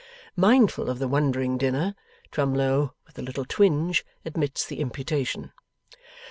Mindful of the wondering dinner, Twemlow, with a little twinge, admits the imputation.